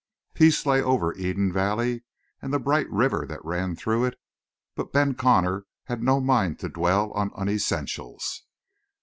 Peace lay over Eden valley and the bright river that ran through it, but Ben Connor had no mind to dwell on unessentials.